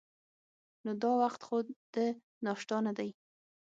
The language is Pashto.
نو دا وخت خو د ناشتا نه دی.